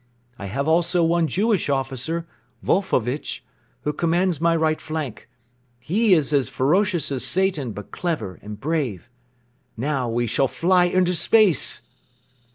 I have also one Jewish officer, Vulfovitch, who commands my right flank. He is as ferocious as Satan but clever and brave. ... Now we shall fly into space."